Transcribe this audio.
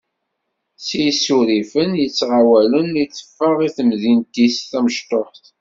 S yisurrifen yettɣawalen i teffeɣ i temdint-is tamecṭuḥt.